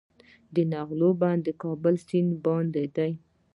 د نغلو بند د کابل سیند باندې دی